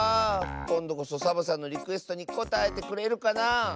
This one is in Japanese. こんどこそサボさんのリクエストにこたえてくれるかなあ。